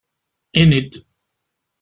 Ini-d!